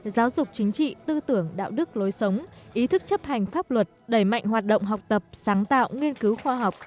giáo dục chính trị tư tưởng đạo đức lối sống ý thức chấp hành pháp luật đẩy mạnh hoạt động học tập sáng tạo nghiên cứu khoa học